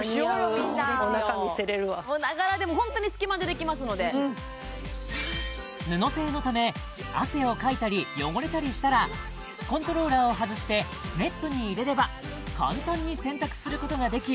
みんな間に合うおなか見せれるわながらでもホントにすきまでできますので布製のため汗をかいたり汚れたりしたらコントローラーを外してネットに入れれば簡単に洗濯することができ